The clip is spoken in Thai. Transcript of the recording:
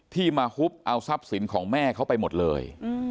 ที่มาฮุบเอาทรัพย์สินของแม่เขาไปหมดเลย